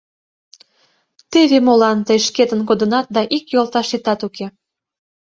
— Теве молан тый шкетын кодынат да ик йолташетат уке!